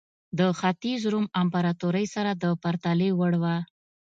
د ختیځ روم امپراتورۍ سره د پرتلې وړ وه.